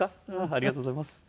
ありがとうございます。